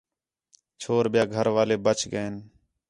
چھور ٻِیا گھر والے ٻچ ڳئین